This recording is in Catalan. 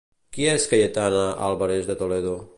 Qui és Cayetana Álvarez de Toledo?